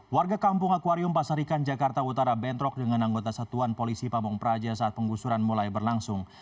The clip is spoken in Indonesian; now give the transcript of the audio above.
warga kampung akwarium pasar ikan jakarta utara bentrok dengan anggota satuan polisi pabong praja saat penggusuran mulai berlangsung